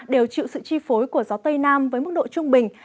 đều chịu sự chi phối của gió tây nam với mức độ trung bình